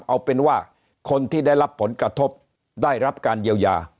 เอาเป็นว่าคนที่ได้รับผลกระทบได้รับการเยียวยา